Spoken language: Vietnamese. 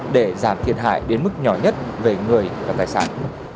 để giảm thiệt hại đến mức nhỏ nhất về người và tài sản